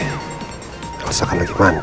nggak usah kan lagi mandi